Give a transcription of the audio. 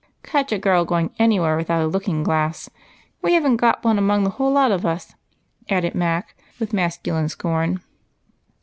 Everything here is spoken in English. "Catch a girl going anywhere without a looking glass. We have n't got one among the whole lot of us," added Mac, with masculine scorn.